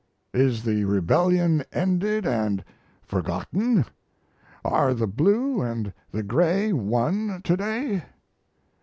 Is the Rebellion ended and forgotten? Are the Blue and the Gray one to day?